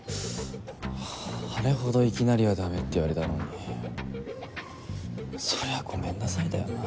あれほどいきなりはダメって言われたのにそりゃごめんなさいだよなあ。